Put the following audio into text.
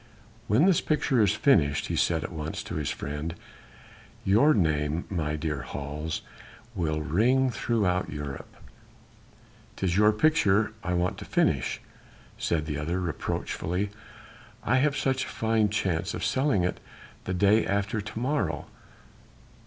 "When this picture is finished," he said at once to his friend, "your name, my dear Hals, will ring throughout Europe." "'Tis your picture I want to finish," said the other reproachfully, "I have such a fine chance of selling it the day after to morrow."